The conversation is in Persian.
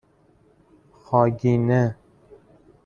خاگینه